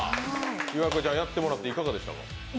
イワクラちゃんやってもらっていかがでしたか？